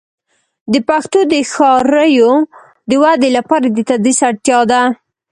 د پښتو د ښاریو د ودې لپاره د تدریس اړتیا ده.